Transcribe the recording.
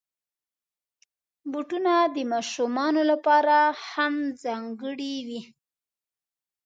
بوټونه د ماشومانو لپاره هم ځانګړي وي.